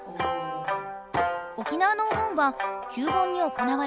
沖縄のお盆は旧盆に行われる。